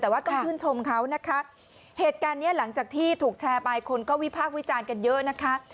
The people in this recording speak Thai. แต่ว่าต้องชื่นชมเขานะคะเหตุการณ์เนี้ยหลังจากที่ถูกแชร์ไปคนก็วิพากษ์วิจารณ์กันเยอะนะคะ